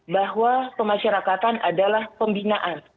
bahwa pemasyarakatan adalah pembinaan